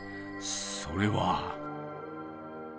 それは。